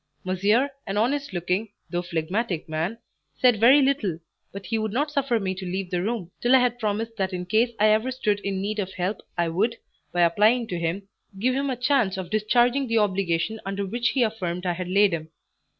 Monsieur, an honest looking, though phlegmatic man, said very little, but he would not suffer me to leave the room, till I had promised that in case I ever stood in need of help I would, by applying to him, give him a chance of discharging the obligation under which he affirmed I had laid him.